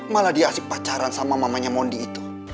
malah dia asik pacaran sama mamanya mondi itu